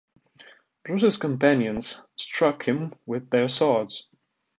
Bruce's companions struck him with their swords.